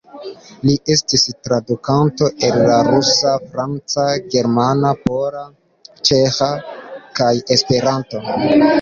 Li estis tradukanto el la rusa, franca, germana, pola, ĉeĥa kaj Esperanto.